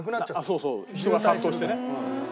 そうそう人が殺到してね。